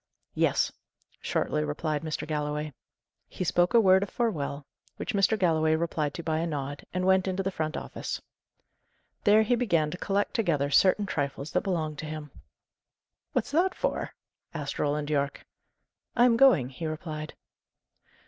"Yes," shortly replied Mr. Galloway. He spoke a word of farewell, which Mr. Galloway replied to by a nod, and went into the front office. There he began to collect together certain trifles that belonged to him. "What's that for?" asked Roland Yorke. "I am going," he replied.